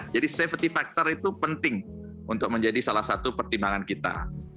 jadi safety factor itu penting untuk menjadi salah satu pertimbangan kita